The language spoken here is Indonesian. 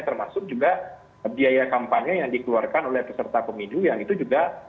termasuk juga biaya kampanye yang dikeluarkan oleh peserta pemilu yang itu juga